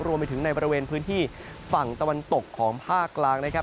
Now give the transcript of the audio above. รวมไปถึงในบริเวณพื้นที่ฝั่งตะวันตกของภาคกลางนะครับ